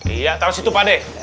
iya taruh situ pak dek